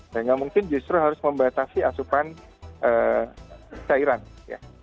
nah nggak mungkin justru harus membatasi asupan cairan ya